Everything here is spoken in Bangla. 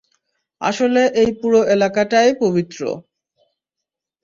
আসলে এই পুরো এলাকাটাই পবিত্র।